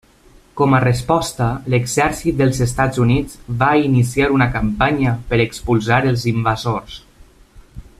Com a resposta, l'exèrcit dels Estats Units va iniciar una campanya per expulsar els invasors.